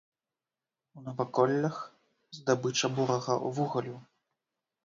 У наваколлях здабыча бурага вугалю.